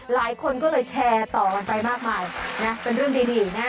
หลายคนก็เลยแชร์ต่อกันไปมากมายนะเป็นเรื่องดีนะ